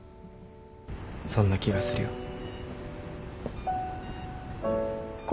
そんな気がするよ。